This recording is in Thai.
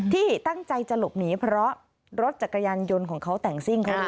ที่ตั้งใจจะหลบหนีเพราะรถจักรยานยนต์ของเขาแต่งซิ่งเขาเลย